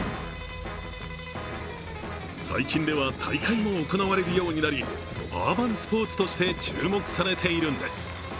最近では大会も行われるようになりアーバンスポーツとして注目されているんです。